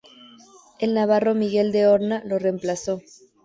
El navarro Miguel de Horna lo reemplazó.